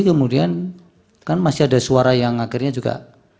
kemudian kan masih ada suara yang akhirnya juga